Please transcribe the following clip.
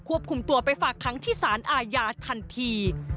คุมตัวไปฝากค้างที่สารอาญาทันที